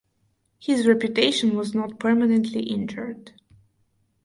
His reputation was not permanently injured.